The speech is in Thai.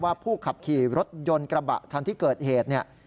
ว่าผู้ขับขี่รถยนต์กระบะทันที่เกิดเหตุ